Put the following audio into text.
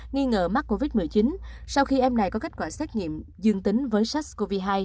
nghi ngờ mắc covid một mươi chín sau khi em này có kết quả xét nghiệm dương tính với sars cov hai